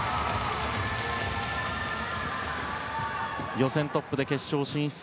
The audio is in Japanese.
予選トップで決勝進出。